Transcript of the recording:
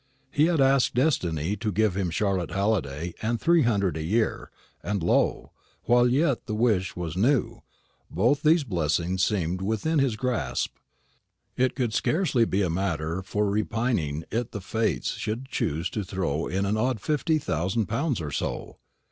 He had asked Destiny to give him Charlotte Halliday and three hundred a year, and lo! while yet the wish was new, both these blessings seemed within his grasp. It could scarcely be a matter for repining it the Fates should choose to throw in an odd fifty thousand pounds or so.